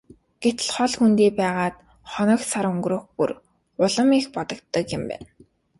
Гэтэл хол хөндий байгаад хоног сар өнгөрөх бүр улам их бодогддог юм байна.